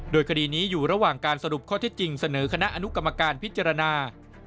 โดยคดีนี้อยู่ระหว่างการสรุปข้อเท็จจริงเสนอคณะอนุกรรมการพิจารณา